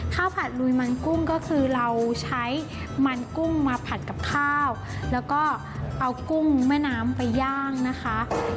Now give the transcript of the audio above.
ผัดลุยมันกุ้งก็คือเราใช้มันกุ้งมาผัดกับข้าวแล้วก็เอากุ้งแม่น้ำไปย่างนะคะ